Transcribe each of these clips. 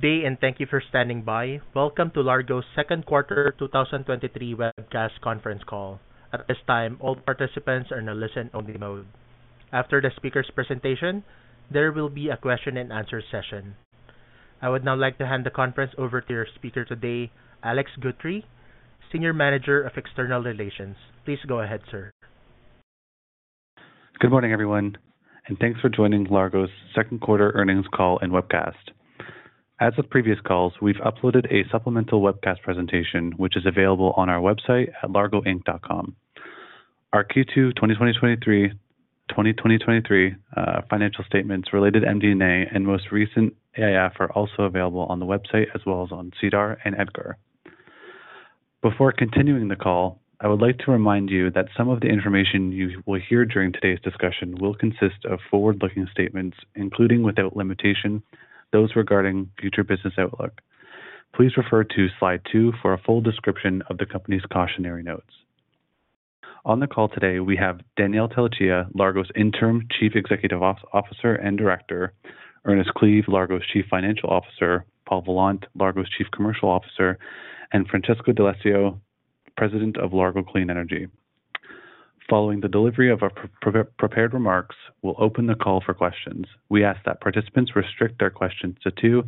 Good day, and thank you for standing by. Welcome to Largo's second quarter 2023 webcast conference call. At this time, all participants are in a listen-only mode. After the speaker's presentation, there will be a question-and-answer session. I would now like to hand the conference over to our speaker today, Alex Guthrie, Senior Manager of External Relations. Please go ahead, sir. Good morning, everyone, and thanks for joining Largo's second quarter earnings call and webcast. As with previous calls, we've uploaded a supplemental webcast presentation, which is available on our website at largoinc.com. Our Q2 2023 financial statements related MD&A and most recent AIF are also available on the website as well as on SEDAR and EDGAR. Before continuing the call, I would like to remind you that some of the information you will hear during today's discussion will consist of forward-looking statements, including, without limitation, those regarding future business outlook. Please refer to slide two for a full description of the company's cautionary notes. On the call today, we have Daniel Tellechea, Largo's Interim Chief Executive Officer and Director, Ernest Cleave, Largo's Chief Financial Officer, Paul Vollant, Largo's Chief Commercial Officer, and Francesco D'Alessio, President of Largo Clean Energy. Following the delivery of our prepared remarks, we'll open the call for questions. We ask that participants restrict their questions to two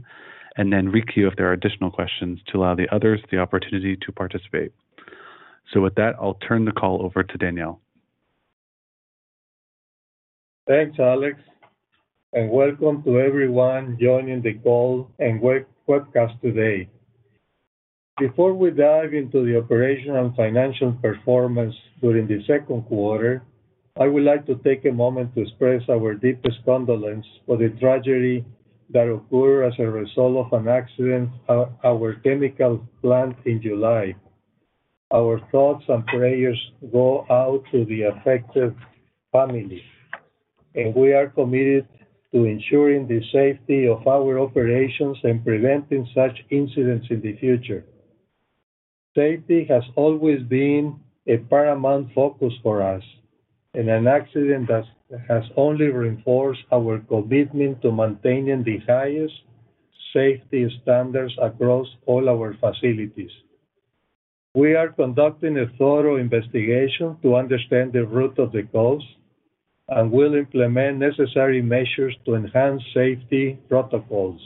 and then requeue if there are additional questions, to allow the others the opportunity to participate. With that, I'll turn the call over to Daniel. Thanks, Alex. Welcome to everyone joining the call and webcast today. Before we dive into the operational and financial performance during the second quarter, I would like to take a moment to express our deepest condolence for the tragedy that occurred as a result of an accident at our chemical plant in July. Our thoughts and prayers go out to the affected families. We are committed to ensuring the safety of our operations and preventing such incidents in the future. Safety has always been a paramount focus for us. An accident that has only reinforced our commitment to maintaining the highest safety standards across all our facilities. We are conducting a thorough investigation to understand the root of the cause and will implement necessary measures to enhance safety protocols.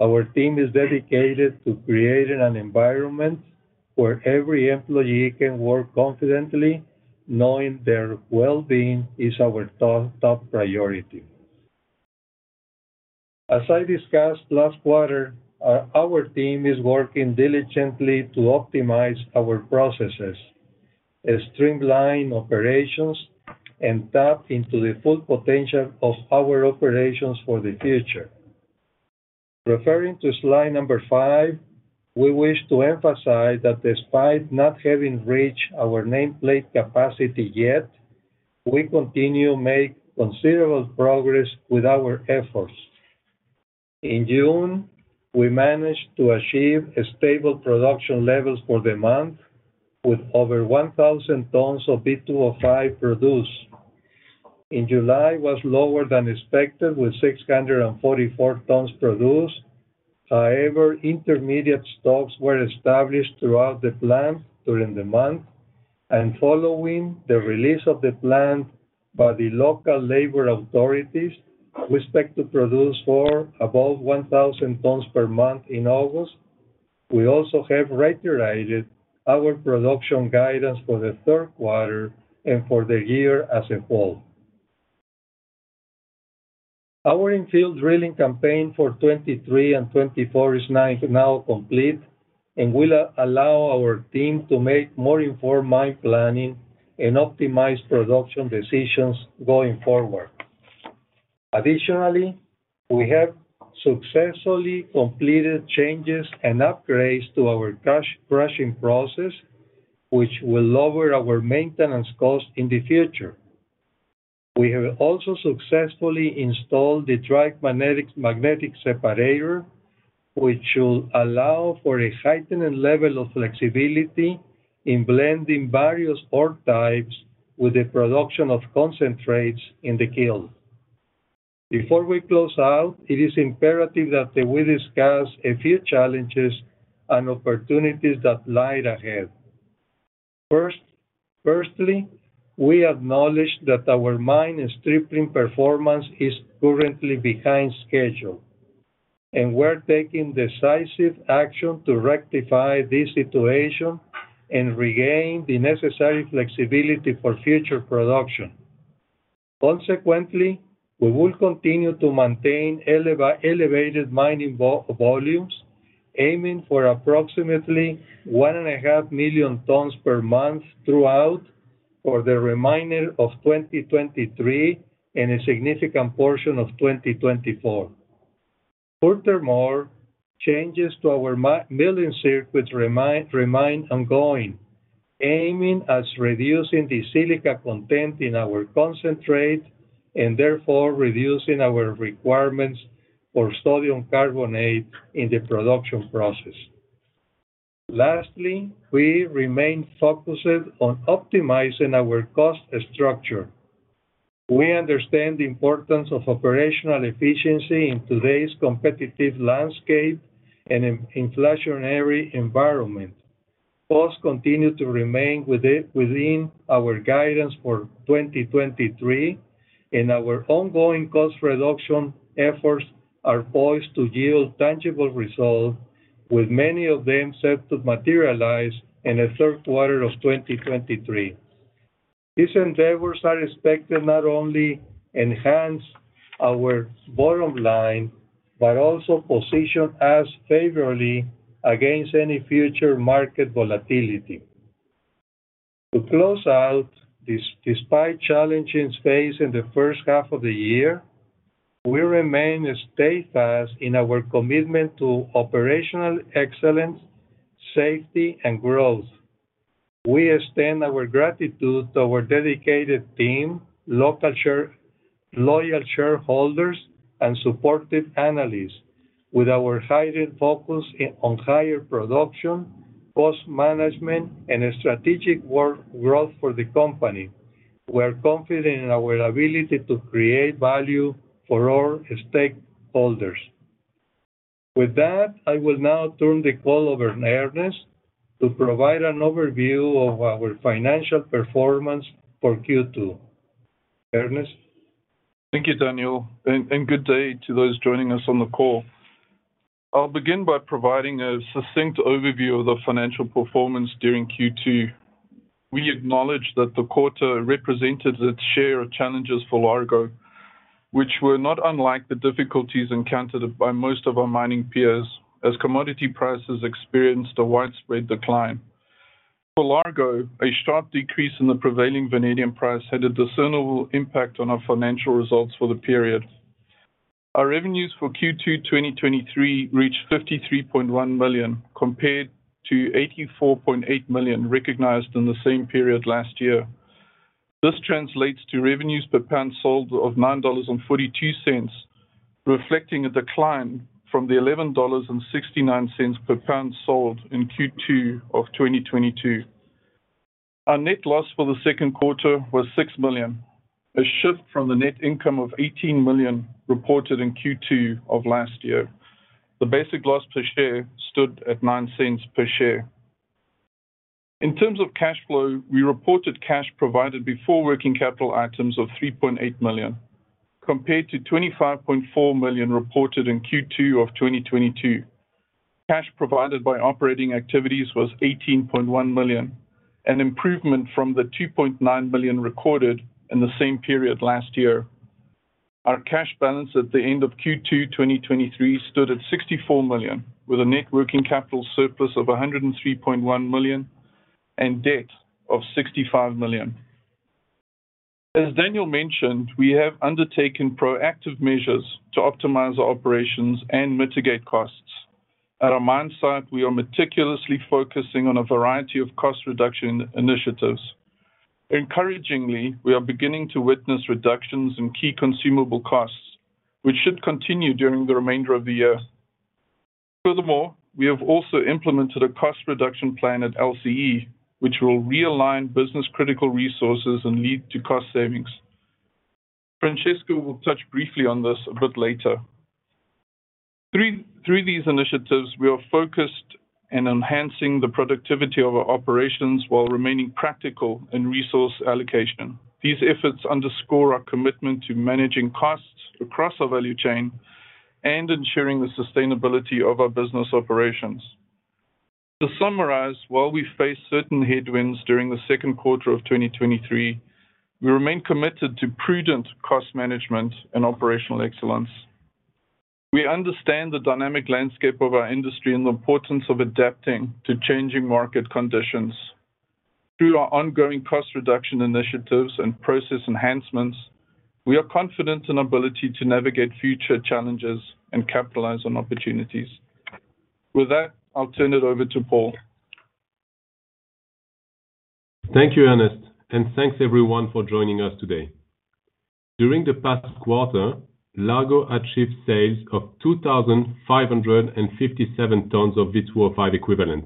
Our team is dedicated to creating an environment where every employee can work confidently, knowing their well-being is our top, top priority. As I discussed last quarter, our, our team is working diligently to optimize our processes and streamline operations and tap into the full potential of our operations for the future. Referring to slide number five, we wish to emphasize that despite not having reached our nameplate capacity yet, we continue to make considerable progress with our efforts. In June, we managed to achieve a stable production level for the month, with over 1,000 tons of V2O5 produced. In July, was lower than expected, with 644 tons produced. However, intermediate stocks were established throughout the plant during the month, and following the release of the plant by the local labor authorities, we expect to produce for above 1,000 tons per month in August. We also have reiterated our production guidance for the third quarter and for the year as a whole. Our in-field drilling campaign for 2023 and 2024 is now complete and will allow our team to make more informed mine planning and optimize production decisions going forward. Additionally, we have successfully completed changes and upgrades to our crushing process, which will lower our maintenance costs in the future. We have also successfully installed the dry magnetic separator, which will allow for a heightened level of flexibility in blending various ore types with the production of concentrates in the kiln. Before we close out, it is imperative that we discuss a few challenges and opportunities that lie ahead. Firstly, we acknowledge that our mine stripping performance is currently behind schedule, and we're taking decisive action to rectify this situation and regain the necessary flexibility for future production. Consequently, we will continue to maintain elevated mining volumes, aiming for approximately 1.5 million tons per month throughout for the remainder of 2023 and a significant portion of 2024. Furthermore, changes to our milling circuit remain ongoing, aiming at reducing the silica content in our concentrate and therefore reducing our requirements for sodium carbonate in the production process. Lastly, we remain focused on optimizing our cost structure. We understand the importance of operational efficiency in today's competitive landscape and in inflationary environment. Costs continue to remain within our guidance for 2023, and our ongoing cost reduction efforts are poised to yield tangible results, with many of them set to materialize in the third quarter of 2023. These endeavors are expected not only enhance our bottom line, but also position us favorably against any future market volatility. To close out, despite challenges faced in the first half of the year, we remain steadfast in our commitment to operational excellence, safety, and growth. We extend our gratitude to our dedicated team, loyal shareholders, and supportive analysts. With our heightened focus on higher production, cost management, and strategic work growth for the company, we are confident in our ability to create value for all stakeholders. With that, I will now turn the call over to Ernest to provide an overview of our financial performance for Q2. Ernest? Thank you, Daniel, and good day to those joining us on the call. I'll begin by providing a succinct overview of the financial performance during Q2. We acknowledge that the quarter represented its share of challenges for Largo, which were not unlike the difficulties encountered by most of our mining peers as commodity prices experienced a widespread decline. For Largo, a sharp decrease in the prevailing vanadium price had a discernible impact on our financial results for the period. Our revenues for Q2 2023 reached $53.1 million, compared to $84.8 million recognized in the same period last year. This translates to revenues per pound sold of $9.42, reflecting a decline from the $11.69 per pound sold in Q2 2022. Our net loss for the second quarter was $6 million, a shift from the net income of $18 million reported in Q2 of last year. The basic loss per share stood at $0.09 per share. In terms of cash flow, we reported cash provided before working capital items of $3.8 million, compared to $25.4 million reported in Q2 of 2022. Cash provided by operating activities was $18.1 million, an improvement from the $2.9 million recorded in the same period last year. Our cash balance at the end of Q2 2023 stood at $64 million, with a net working capital surplus of $103.1 million and debt of $65 million. As Daniel mentioned, we have undertaken proactive measures to optimize our operations and mitigate costs. At our mine site, we are meticulously focusing on a variety of cost reduction initiatives. Encouragingly, we are beginning to witness reductions in key consumable costs, which should continue during the remainder of the year. Furthermore, we have also implemented a cost reduction plan at LCE, which will realign business-critical resources and lead to cost savings. Francesco will touch briefly on this a bit later. Through these initiatives, we are focused in enhancing the productivity of our operations while remaining practical in resource allocation. These efforts underscore our commitment to managing costs across our value chain and ensuring the sustainability of our business operations. To summarize, while we face certain headwinds during the second quarter of 2023, we remain committed to prudent cost management and operational excellence. We understand the dynamic landscape of our industry and the importance of adapting to changing market conditions. Through our ongoing cost reduction initiatives and process enhancements, we are confident in our ability to navigate future challenges and capitalize on opportunities. With that, I'll turn it over to Paul. Thank you, Ernest, and thanks everyone for joining us today. During the past quarter, Largo achieved sales of 2,557 tons of V2O5 equivalent,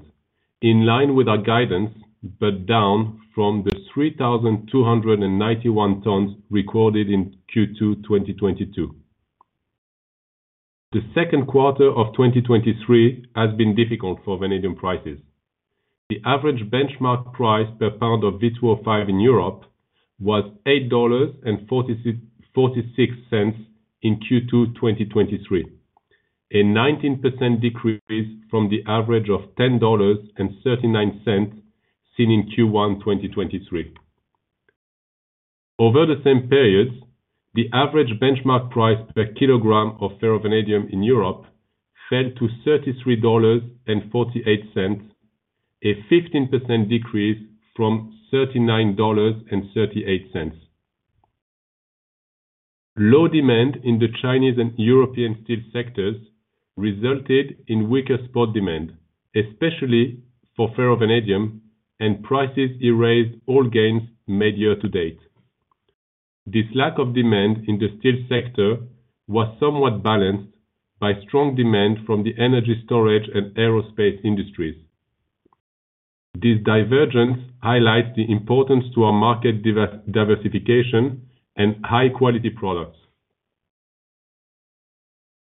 in line with our guidance, but down from the 3,291 tons recorded in Q2 2022. The second quarter of 2023 has been difficult for vanadium prices. The average benchmark price per pound of V2O5 in Europe was $8.46 in Q2 2023, a 19% decrease from the average of $10.39 seen in Q1 2023. Over the same periods, the average benchmark price per kilogram of ferrovanadium in Europe fell to $33.48, a 15% decrease from $39.38. Low demand in the Chinese and European steel sectors resulted in weaker spot demand, especially for ferrovanadium. Prices erased all gains made year to date. This lack of demand in the steel sector was somewhat balanced by strong demand from the energy storage and aerospace industries. This divergence highlights the importance to our market diversification and high-quality products.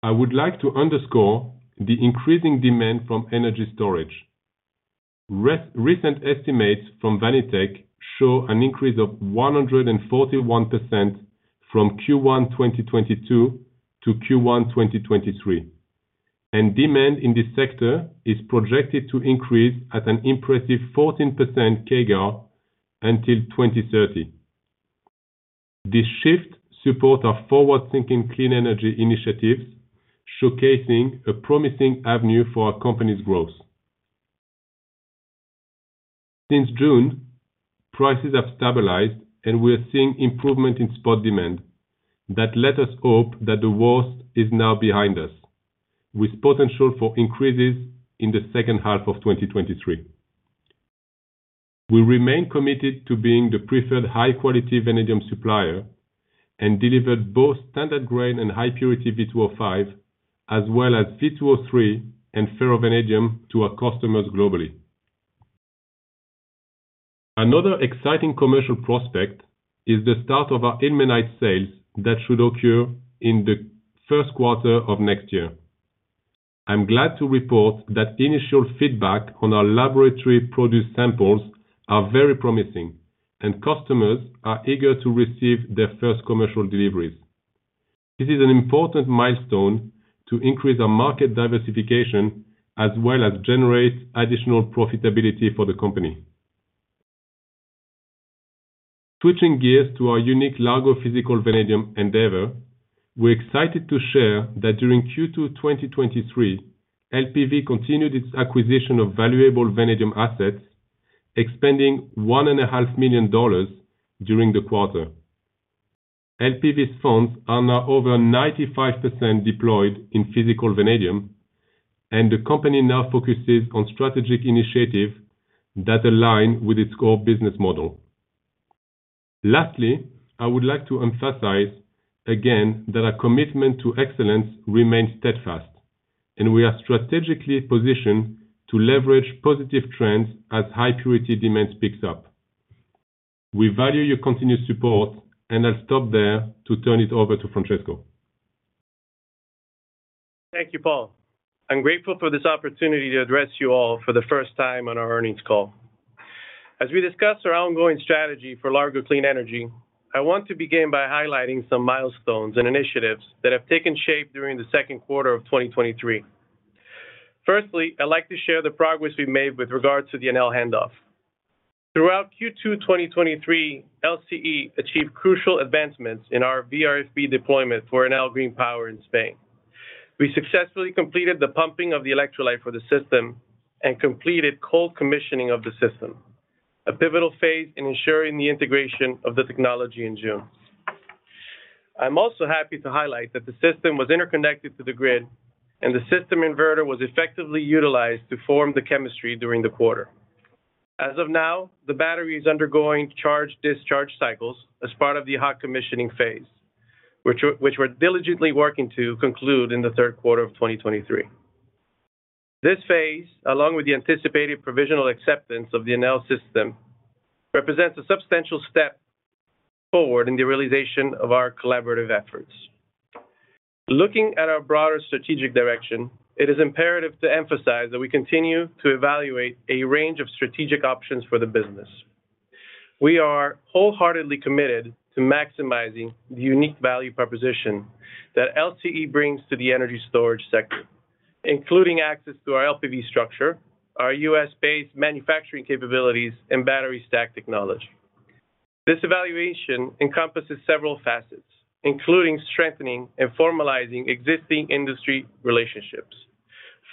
I would like to underscore the increasing demand from energy storage. Recent estimates from VanEck show an increase of 141% from Q1, 2022 to Q1, 2023. Demand in this sector is projected to increase at an impressive 14% CAGR until 2030. This shift support our forward-thinking clean energy initiatives, showcasing a promising avenue for our company's growth. Since June, prices have stabilized, and we are seeing improvement in spot demand that let us hope that the worst is now behind us, with potential for increases in the second half of 2023. We remain committed to being the preferred high-quality vanadium supplier and delivered both standard grain and high-purity V2O5, as well as V2O3 and ferrovanadium to our customers globally. Another exciting commercial prospect is the start of our ilmenite sales that should occur in the first quarter of next year. I'm glad to report that initial feedback on our laboratory-produced samples are very promising, and customers are eager to receive their first commercial deliveries. This is an important milestone to increase our market diversification, as well as generate additional profitability for the company. Switching gears to our unique Largo Physical Vanadium endeavor, we're excited to share that during Q2 2023, LPV continued its acquisition of valuable vanadium assets, expending $1.5 million during the quarter. LPV's funds are now over 95% deployed in physical vanadium, the company now focuses on strategic initiatives that align with its core business model. Lastly, I would like to emphasize again that our commitment to excellence remains steadfast, we are strategically positioned to leverage positive trends as high-purity demand picks up. We value your continued support, I'll stop there to turn it over to Francesco. Thank you, Paul. I'm grateful for this opportunity to address you all for the first time on our earnings call. As we discuss our ongoing strategy for Largo Clean Energy, I want to begin by highlighting some milestones and initiatives that have taken shape during the second quarter of 2023. Firstly, I'd like to share the progress we've made with regards to the Enel handoff. Throughout Q2 2023, LCE achieved crucial advancements in our VRFB deployment for Enel Green Power in Spain. We successfully completed the pumping of the electrolyte for the system and completed cold commissioning of the system, a pivotal phase in ensuring the integration of the technology in June. I'm also happy to highlight that the system was interconnected to the grid, and the system inverter was effectively utilized to form the chemistry during the quarter. As of now, the battery is undergoing charge-discharge cycles as part of the hot commissioning phase, which we're diligently working to conclude in the third quarter of 2023. This phase, along with the anticipated provisional acceptance of the Enel system, represents a substantial step forward in the realization of our collaborative efforts. Looking at our broader strategic direction, it is imperative to emphasize that we continue to evaluate a range of strategic options for the business. We are wholeheartedly committed to maximizing the unique value proposition that LCE brings to the energy storage sector, including access to our LPV structure, our U.S.-based manufacturing capabilities, and battery stack technology. This evaluation encompasses several facets, including strengthening and formalizing existing industry relationships,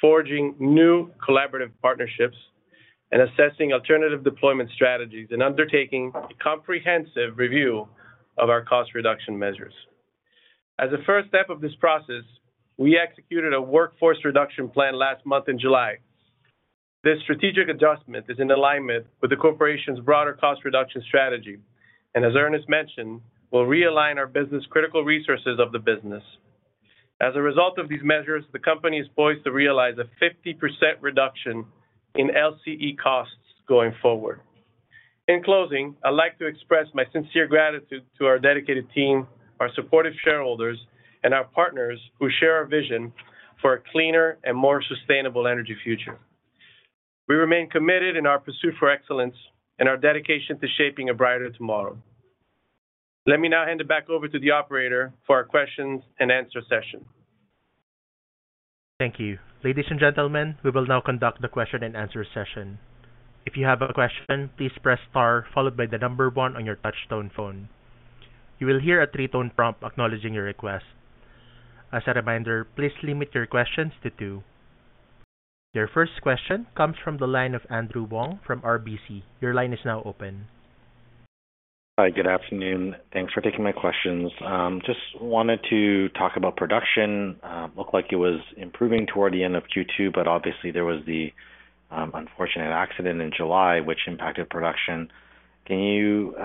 forging new collaborative partnerships, and assessing alternative deployment strategies, and undertaking a comprehensive review of our cost reduction measures. As a first step of this process, we executed a workforce reduction plan last month in July. This strategic adjustment is in alignment with the corporation's broader cost reduction strategy, and as Ernest mentioned, will realign our critical resources of the business. As a result of these measures, the company is poised to realize a 50% reduction in LCE costs going forward. In closing, I'd like to express my sincere gratitude to our dedicated team, our supportive shareholders, and our partners who share our vision for a cleaner and more sustainable energy future. We remain committed in our pursuit for excellence and our dedication to shaping a brighter tomorrow. Let me now hand it back over to the operator for our questions and answer session. Thank you. Ladies and gentlemen, we will now conduct the question and answer session. If you have a question, please press star followed by the number one on your touch-tone phone. You will hear a three-tone prompt acknowledging your request. As a reminder, please limit your questions to two. Your first question comes from the line of Andrew Wong from RBC. Your line is now open. Hi, good afternoon. Thanks for taking my questions. Just wanted to talk about production. Looked like it was improving toward the end of Q2, but obviously, there was unfortunate accident in July, which impacted production. Can you,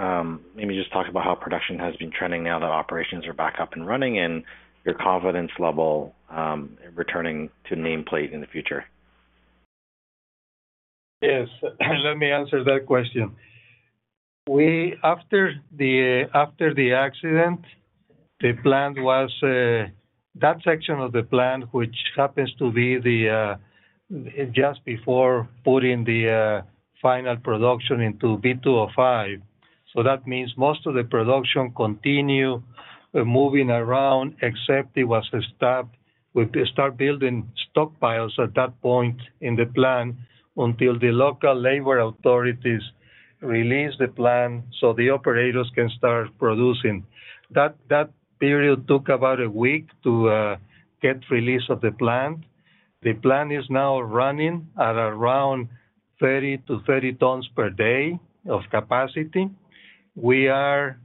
maybe just talk about how production has been trending now that operations are back up and running, and your confidence level, in returning to nameplate in the future? Yes, let me answer that question. After the, after the accident, the plant was that section of the plant, which happens to be the just before putting the final production into V2O5. That means most of the production continue moving around, except it was stopped. We start building stockpiles at that point in the plant until the local labor authorities release the plant so the operators can start producing. That, that period took about a week to get release of the plant. The plant is now running at around 30 tons to 30 tons per day of capacity. We are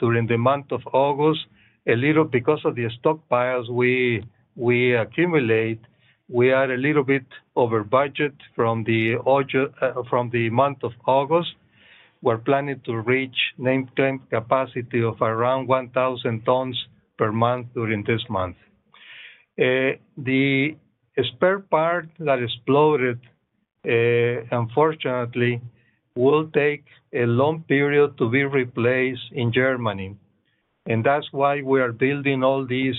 during the month of August, a little because of the stockpiles we, we accumulate, we are a little bit over budget from the month of August. We're planning to reach name capacity of around 1,000 tons per month during this month. The spare part that exploded, unfortunately, will take a long period to be replaced in Germany, that's why we are building all these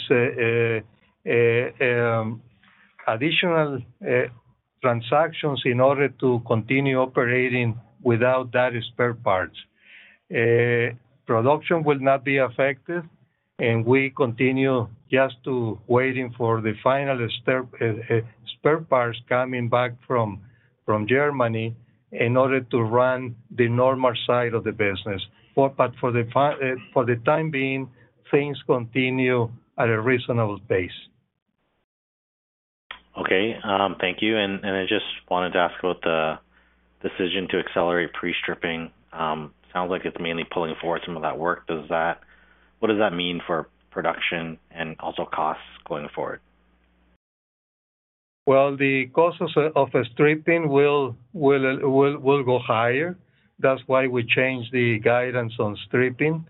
additional transactions in order to continue operating without that spare parts. Production will not be affected, we continue just to waiting for the final spare parts coming back from Germany in order to run the normal side of the business. But for the time being, things continue at a reasonable pace. Okay, thank you. And, and I just wanted to ask about the decision to accelerate pre-stripping. Sounds like it's mainly pulling forward some of that work. What does that mean for production and also costs going forward? Well, the costs of stripping will go higher. That's why we changed the guidance on stripping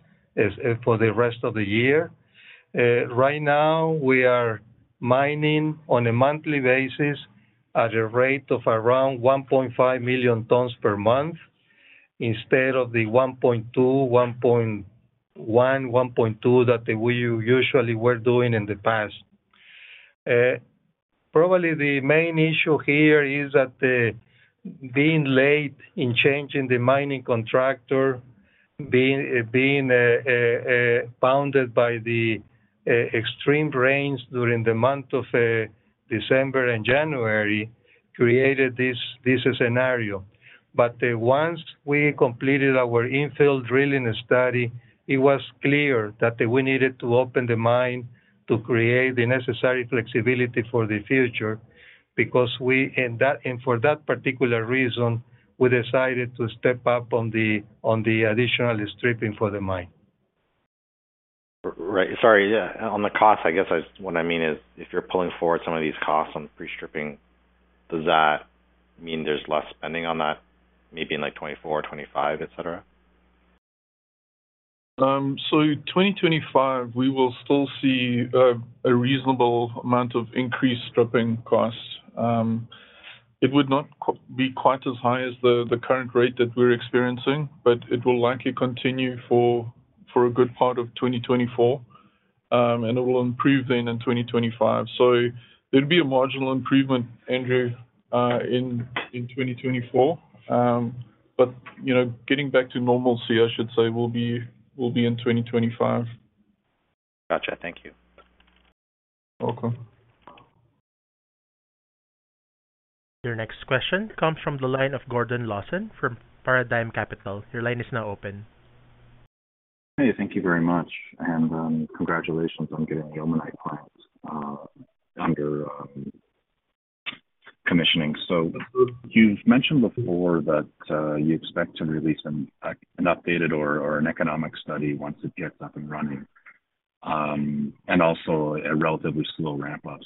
for the rest of the year. Right now, we are mining on a monthly basis at a rate of around 1.5 million tons per month, instead of the 1.2, 1.1, 1.2 that we usually were doing in the past. Probably the main issue here is that being late in changing the mining contractor, being bounded by the extreme rains during the month of December and January, created this scenario. Once we completed our infill drilling study, it was clear that we needed to open the mine to create the necessary flexibility for the future. Because we... That, and for that particular reason, we decided to step up on the, on the additional stripping for the mine. Right. Sorry, yeah, on the cost, I guess I, what I mean is, if you're pulling forward some of these costs on pre-stripping, does that mean there's less spending on that, maybe in, like, 2024, 2025, et cetera? 2025, we will still see, a reasonable amount of increased stripping costs. It would not be quite as high as the, the current rate that we're experiencing, but it will likely continue for, for a good part of 2024, and it will improve then in 2025. There'd be a marginal improvement, Andrew, in, in 2024. But, you know, getting back to normalcy, I should say, will be, will be in 2025. Gotcha. Thank you. Welcome. Your next question comes from the line of Gordon Lawson from Paradigm Capital. Your line is now open. Thank you very much, and congratulations on getting the ilmenite plant under commissioning. You've mentioned before that you expect to release an updated or an economic study once it gets up and running, and also a relatively slow ramp-up.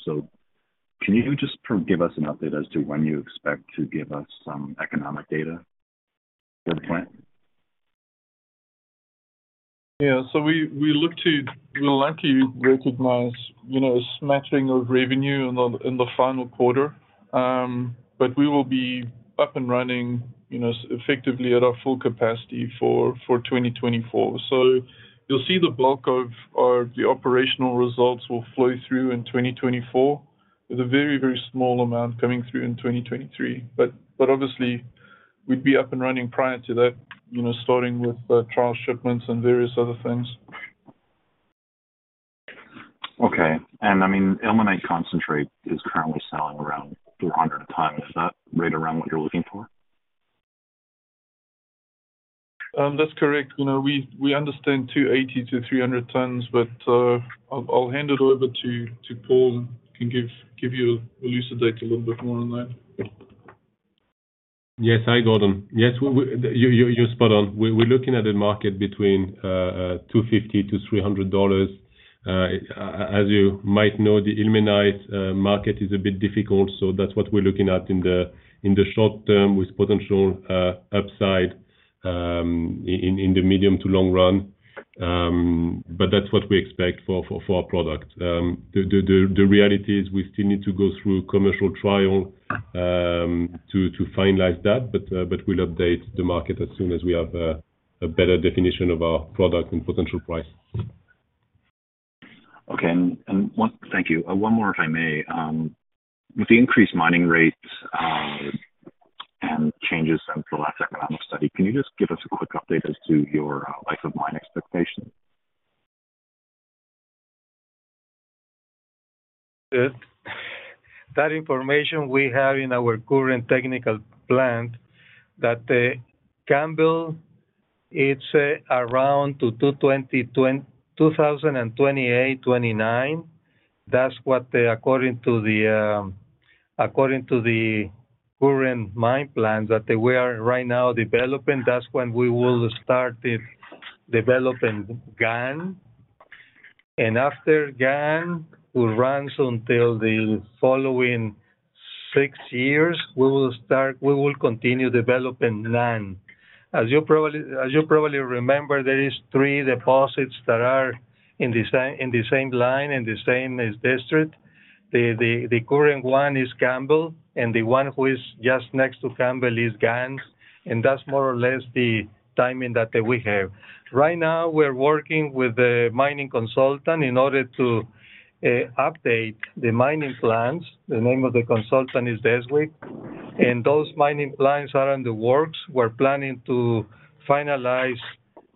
Can you just give us an update as to when you expect to give us some economic data for the plant? Yeah. We'd like to recognize, you know, a smattering of revenue in the, in the final quarter. We will be up and running, you know, effectively at our full capacity for 2024. You'll see the bulk of, of the operational results will flow through in 2024, with a very, very small amount coming through in 2023. But obviously, we'd be up and running prior to that, you know, starting with the trial shipments and various other things. Okay. I mean, ilmenite concentrate is currently selling around 200 tons. Is that right around what you're looking for? That's correct. You know, we, we understand 280 tons to 300 tons, but I'll, I'll hand it over to, to Paul, who can elucidate a little bit more on that. Yes. Hi, Gordon. Yes, we, we, you, you, you're spot on. We, we're looking at a market between $250-$300. As you might know, the ilmenite market is a bit difficult, so that's what we're looking at in the short term, with potential upside in the medium to long run. That's what we expect for our product. The reality is we still need to go through commercial trial to finalize that, but we'll update the market as soon as we have a better definition of our product and potential price. Okay. And, and one-- Thank you. one more, if I may. with the increased mining rates, and changes since the last economic study, can you just give us a quick update as to your life of mine expectations? That information we have in our current technical plan, that Campbell, it's around to 2028, 2029. That's what, according to the, according to the current mine plans, that we are right now developing, that's when we will start the developing GAN. After GAN, will runs until the following six years, we will continue developing NAN. As you probably, as you probably remember, there is three deposits that are in the same line, in the same as district. The current one is Campbell, and the one who is just next to Campbell is GAN, and that's more or less the timing that we have. Right now, we're working with a mining consultant in order to update the mining plans. The name of the consultant is Deswik, and those mining plans are in the works. We're planning to finalize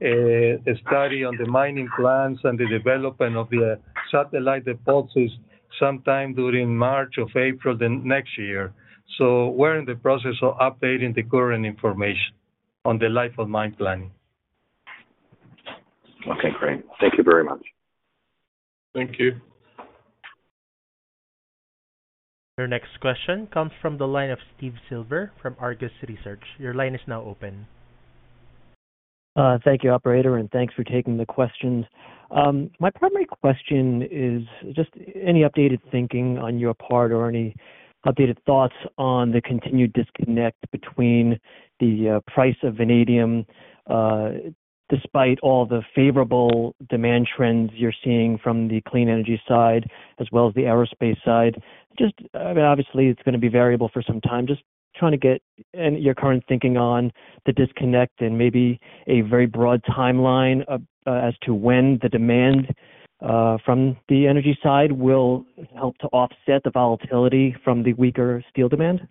a study on the mining plans and the development of the satellite deposits sometime during March or April, the next year. We're in the process of updating the current information on the life of mine planning. Okay, great. Thank you very much. Thank you. Your next question comes from the line of Steve Silver from Argus Research. Your line is now open. Thank you, operator, and thanks for taking the questions. My primary question is, just any updated thinking on your part or any updated thoughts on the continued disconnect between the price of vanadium, despite all the favorable demand trends you're seeing from the clean energy side as well as the aerospace side? Obviously, it's gonna be variable for some time. Just trying to get your current thinking on the disconnect and maybe a very broad timeline as to when the demand from the energy side will help to offset the volatility from the weaker steel demand.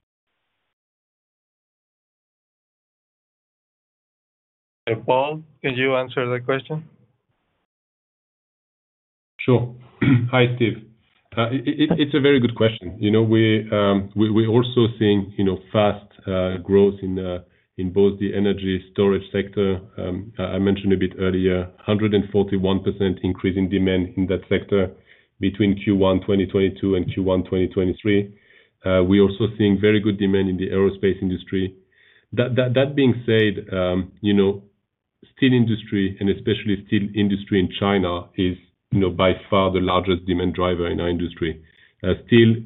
Paul, could you answer that question? Sure. Hi, Steve. It, it, it's a very good question. You know, we, we, we're also seeing, you know, fast growth in both the energy storage sector, I, I mentioned a bit earlier, 141% increase in demand in that sector between Q1 2022 and Q1 2023. We're also seeing very good demand in the aerospace industry. That, that, that being said, you know, steel industry, and especially steel industry in China, is, you know, by far the largest demand driver in our industry. Steel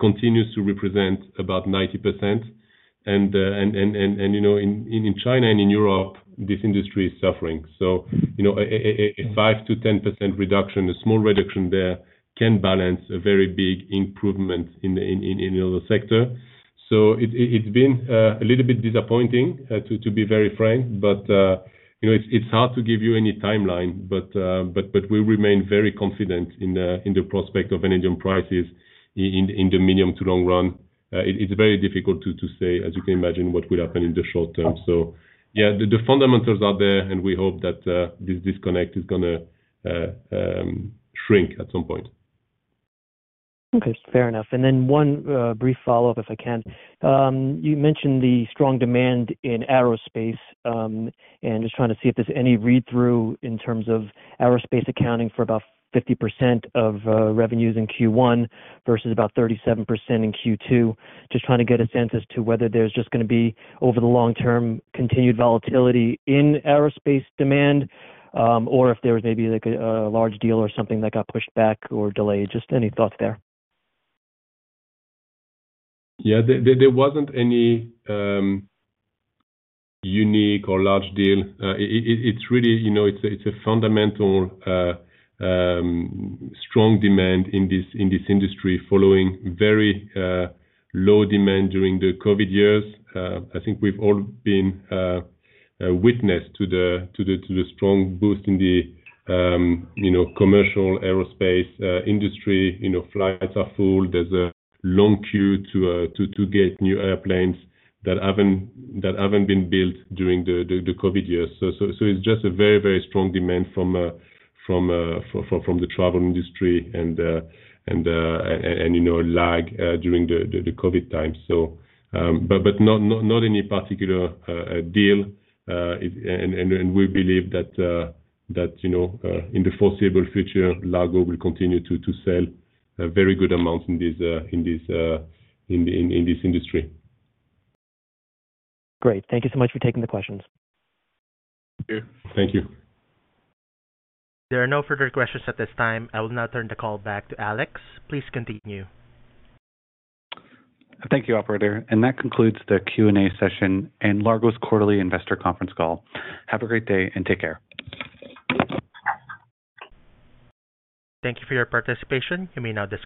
continues to represent about 90%. And, and, and, you know, in, in China and in Europe, this industry is suffering. You know, a, a, a 5%-10% reduction, a small reduction there, can balance a very big improvement in the, in, in, in the other sector. It, it, it's been a little bit disappointing to, to be very frank, but, you know, it's, it's hard to give you any timeline. We remain very confident in the, in the prospect of vanadium prices in the medium to long run. It, it's very difficult to, to say, as you can imagine, what will happen in the short term. Yeah, the, the fundamentals are there, and we hope that this disconnect is gonna shrink at some point. Okay, fair enough. Then one brief follow-up, if I can. You mentioned the strong demand in aerospace, and just trying to see if there's any read-through in terms of aerospace accounting for about 50% of revenues in Q1 versus about 37% in Q2. Just trying to get a sense as to whether there's just gonna be, over the long term, continued volatility in aerospace demand, or if there was maybe, like a large deal or something that got pushed back or delayed. Just any thoughts there? Yeah. There, there, there wasn't any unique or large deal. It, it, it's really, you know, it's a, it's a fundamental strong demand in this, in this industry following very low demand during the COVID years. I think we've all been witness to the, to the, to the strong boost in the, you know, commercial aerospace industry. You know, flights are full. There's a long queue to get new airplanes that haven't, that haven't been built during the COVID years. It's just a very, very strong demand from, from, from, from the travel industry and, and, and, and, you know, lag during the COVID time. Not, not, not any particular deal. We believe that, you know, in the foreseeable future, Largo will continue to sell a very good amount in this industry. Great. Thank you so much for taking the questions. Thank you. Thank you. There are no further questions at this time. I will now turn the call back to Alex. Please continue. Thank you, operator. That concludes the Q&A session and Largo's quarterly investor conference call. Have a great day and take care. Thank you for your participation. You may now disconnect.